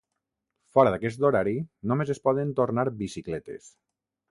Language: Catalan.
Fora d'aquest horari només es poden tornar bicicletes.